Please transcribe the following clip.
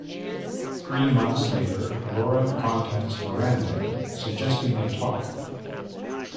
Three months later, Laura contacts Miranda, suggesting they talk.